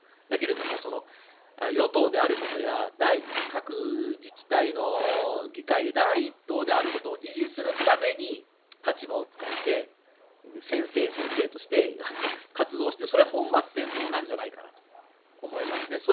だけど、与党であることや各自治体の議会で第１党であることを維持するために立場を使って先生、先生として活動してそれは本末転倒じゃないかなと思いますね。